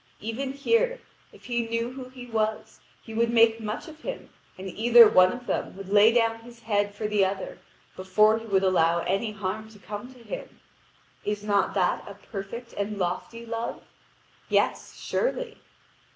Even here, if he knew who he was, he would make much of him, and either one of them would lay down his head for the other before he would allow any harm to come to him. Is not that a perfect and lofty love? Yes, surely.